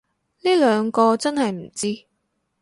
呢兩個真係唔知